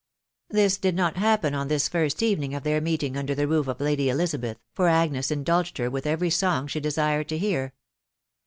This did not happen on this first evening of their meet ing under the roof of Lady Elizabeth, for Agnes indulged her with every song she desired to hear.